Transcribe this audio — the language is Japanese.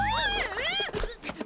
えっ！？